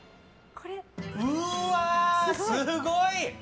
うわすごい！